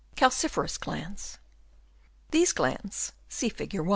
45 Calciferous Glands. — These glands (see Fig.